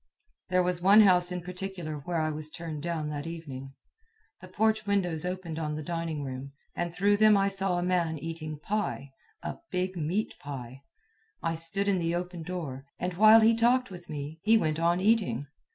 There was one house in particular where I was turned down that evening. The porch windows opened on the dining room, and through them I saw a man eating pie a big meat pie. I stood in the open door, and while he talked with me, he went on eating.